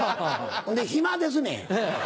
ほんで暇ですねん。